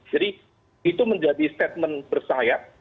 jadi itu menjadi statement bersahaya